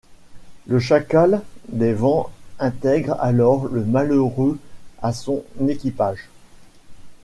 Le Chacal des vents intègre alors le malheureux à son équipage.